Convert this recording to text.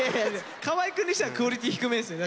河合くんにしてはクオリティー低めですよね。